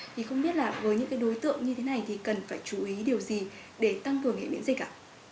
thì không biết là với những đối tượng như thế này thì cần phải chú ý điều gì để tăng cường hệ miễn dịch cả